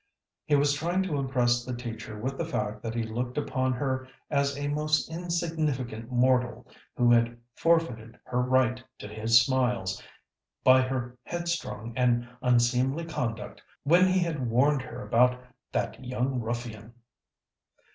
He was trying to impress the teacher with the fact that he looked upon her as a most insignificant mortal who had forfeited her right to his smiles by her headstrong and unseemly conduct when he had warned her about "that young ruffian."